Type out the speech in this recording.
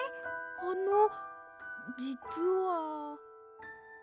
あのじつは。